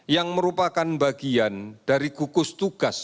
yang merupakan bagian dari gugus tugas